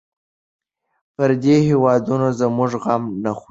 پردي هېوادونه زموږ غم نه خوري.